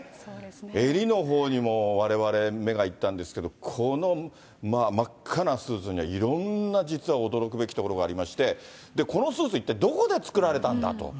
襟のほうにもわれわれ目が行ったんですけど、この、まあ、真っ赤なスーツには、いろんな実は驚くべきところがありまして、このスーツ、一体どこで作られたんだと。